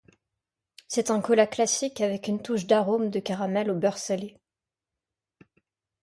C'est un cola classique avec une touche d'arômes de caramel au beurre salé.